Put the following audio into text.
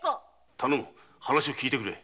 頼む話を聞いてくれ。